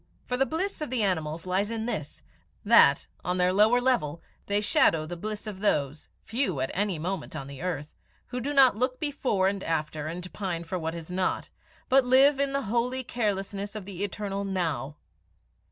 For the bliss of the animals lies in this, that, on their lower level, they shadow the bliss of those few at any moment on the earth who do not "look before and after, and pine for what is not," but live in the holy carelessness of the eternal now.